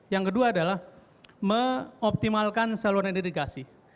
nomor kedua adalah mengoptimalkan saluran energi